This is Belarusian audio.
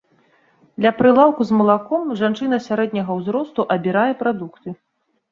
Ля прылаўку з малаком жанчына сярэдняга ўзросту абірае прадукты.